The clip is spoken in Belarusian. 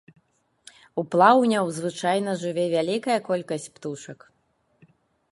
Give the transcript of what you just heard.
У плаўнях звычайна жыве вялікая колькасць птушак.